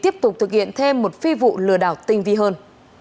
tiếp tục thực hiện thêm một phi vụ lừa đảo tinh vi hơn